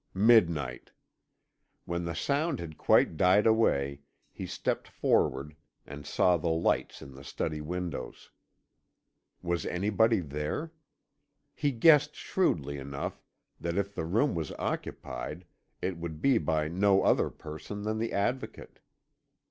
Midnight. When the sound had quite died away, he stepped forward, and saw the lights in the study windows. Was anybody there? He guessed shrewdly enough that if the room was occupied it would be by no other person than the Advocate.